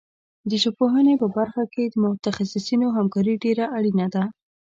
د ژبپوهنې په برخه کې د متخصصینو همکاري ډېره اړینه ده.